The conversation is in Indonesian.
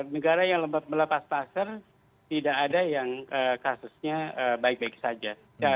negara yang melepas masker tidak ada yang kasusnya baik baik saja